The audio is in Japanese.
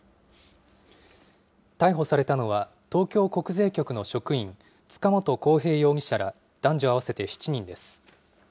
逮捕されたのは、東京国税局の職員、塚本晃平容疑者ら男女合わせて７人です。